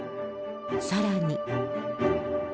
さらに。